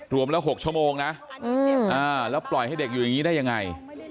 รวมแล้ว๖ชั่วโมงนะแล้วปล่อยให้เด็กอยู่อย่างนี้ได้ยังไง